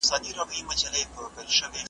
سفیران د خبرو اترو میز ته کښیني.